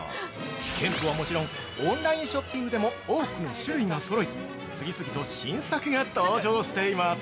店舗はもちろんオンラインショッピングでも多くの種類がそろい次々と新作が登場しています。